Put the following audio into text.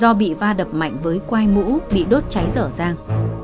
do bị va đập mạnh với quai mũ bị đốt cháy dở dang